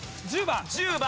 １０番。